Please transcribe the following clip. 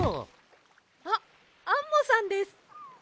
あっアンモさんです！